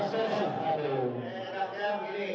kita selalu berharap